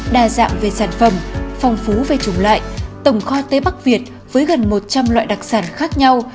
đa dạng về sản phẩm phong phú về chủng loại tổng kho tế bắc việt với gần một trăm linh loại đặc sản khác nhau